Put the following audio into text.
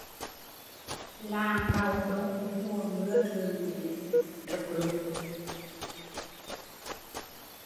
Làng Bàu Đôn mùa mưa thường bị nước lụt